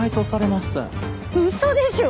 嘘でしょ！？